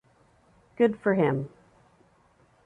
Good for him.